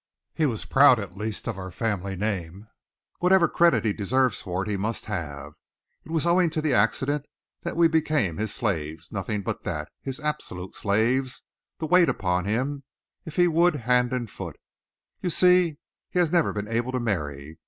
"He was proud, at least, of our family name. Whatever credit he deserves for it, he must have. It was owing to that accident that we became his slaves: nothing but that his absolute slaves, to wait upon him, if he would, hand and foot. You see, he has never been able to marry.